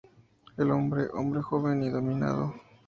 El Hombre—hombre joven y dominado.